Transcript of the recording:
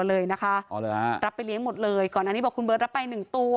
แล้วมันกลายเป็นข่าว